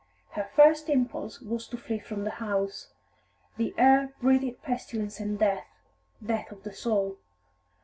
Her first impulse was to flee from the house; the air breathed pestilence and death, death of the soul.